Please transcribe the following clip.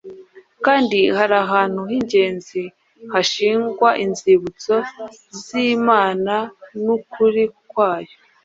kandi hari ahantu h’ingenzi hashingwa inzibutso z’Imana n’ukuri kwayo.